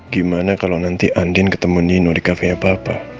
gimana kalau nanti andien ketemu nino di cafe nya papa